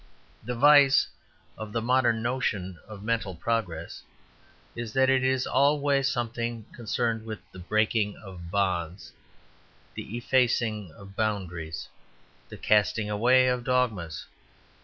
The vice of the modern notion of mental progress is that it is always something concerned with the breaking of bonds, the effacing of boundaries, the casting away of dogmas.